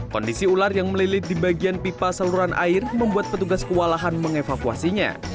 kondisi ular yang melilit di bagian pipa saluran air membuat petugas kewalahan mengevakuasinya